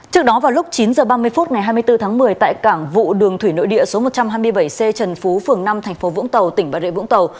trước đó vào lúc chín h ba mươi phút ngày hai mươi bốn tháng một mươi tại cảng vụ đường thủy nội địa số một trăm hai mươi bảy c trần phú phường năm thành phố vũng tàu tỉnh bà rệ vũng tàu